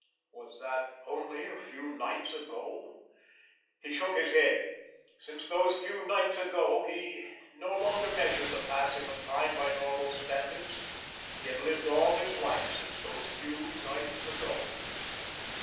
Was that only a few nights ago? He shook his head. Since those few nights ago he no longer measured the passing of time by normal standards; he had lived all his life since those few nights ago!